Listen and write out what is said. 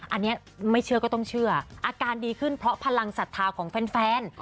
อันนี้ไม่เชื่อก็ต้องเชื่ออาการดีขึ้นเพราะพลังศรัทธาของแฟน